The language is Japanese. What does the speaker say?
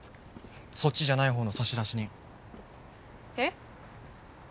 そっちじゃない方の差出人えっ？